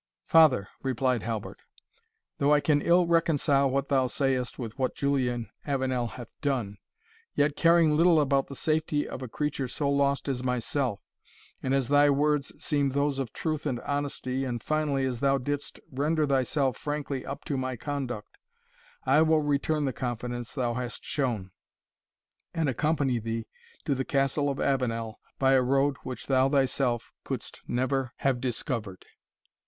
"Father," replied Halbert, "though I can ill reconcile what thou sayest with what Julian Avenel hath done, yet caring little about the safety of a creature so lost as myself, and as thy words seem those of truth and honesty, and finally, as thou didst render thyself frankly up to my conduct, I will return the confidence thou hast shown, and accompany thee to the Castle of Avenel by a road which thou thyself couldst never have discovered."